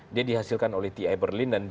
dia dihasilkan oleh ti berlin dan